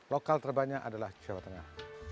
lokal terbanyak adalah jawa tengah